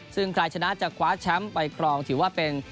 ซึ่งใครชนะจะคว้าแชมป์ไปครองถือว่าเป็น